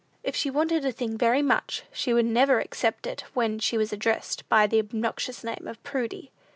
If she wanted a thing very much, she would never accept it when she was addressed by the obnoxious name of Prudy.